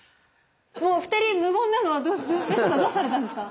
お二人無言なのはどうされたんですか？